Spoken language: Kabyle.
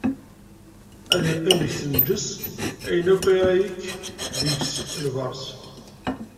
Ad iqqim inǧes ayen akk ara yekk deg-s lberṣ.